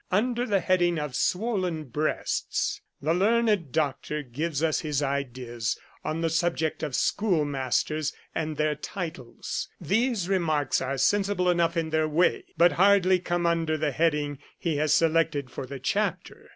Under the heading of " Swollen Breasts," the learned doctor gives us his ideas on the subject of schoolmasters and their titles. These remarks are sensible enough in their way, but hardly come under the heading he has selected for the chapter.